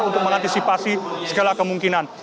untuk mengantisipasi segala kemungkinan